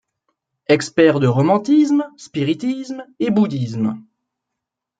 Expert de romantisme, spiritisme et bouddhisme.